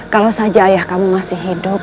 kalau saja ayah kamu masih hidup